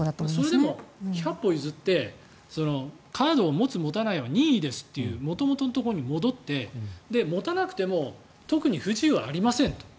それでも百歩譲ってカードを持つ、持たないは任意ですって元々のところに戻って持たなくても特に不自由はありませんと。